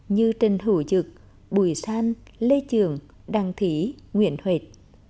như trần hữu dực bùi san lê trường đăng thỉ nguyễn huệt